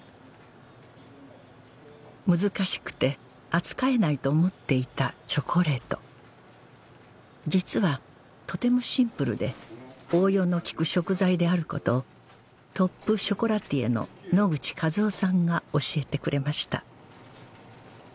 難しくて扱えないと思っていたチョコレート実はとてもシンプルで応用の利く食材であることをトップショコラティエの野口和男さんが教えてくれました